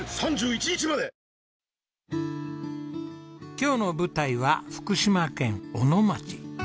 今日の舞台は福島県小野町。